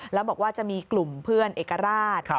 แล้วบอกว่าจะมีกลุ่มเพื่อนเอกราช